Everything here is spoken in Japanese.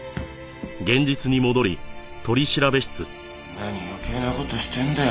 何余計な事してんだよ